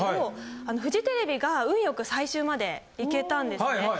フジテレビが運よく最終までいけたんですね。